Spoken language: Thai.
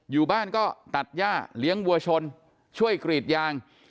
อยู่บ้านก็ตัดย่าเลี้ยงวัวชนช่วยกรีดยาง